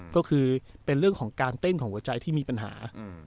ก็คือเป็นเรื่องของการเต้นของหัวใจที่มีปัญหา